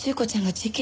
事件？